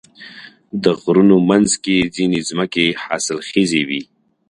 د غرونو منځ کې ځینې ځمکې حاصلخیزې وي.